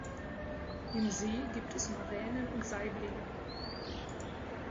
Im See gibt es Maränen und Saiblinge.